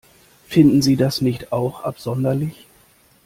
Finden Sie das nicht auch absonderlich?